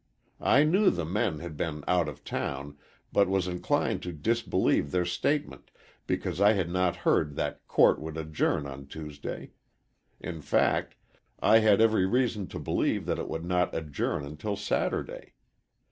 I knew the men had been out of town but was inclined to disbelieve their statement because I had not heard that court would adjourn on Tuesday, in fact, I had every reason to believe that it would not adjourn until Saturday.